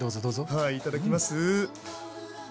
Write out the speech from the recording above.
はいいただきます。